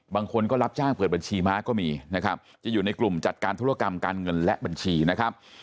บางคนก็รับจ้างเปิดบัญชีม้าก็มีนะครับจะอยู่ในกลุ่มจัดการธุรกรรมการเงินและบัญชีนะครับ